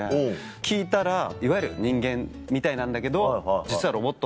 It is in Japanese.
聞いたら「いわゆる人間みたいなんだけど実はロボット」